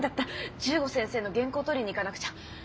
十五先生の原稿取りに行かなくちゃッ。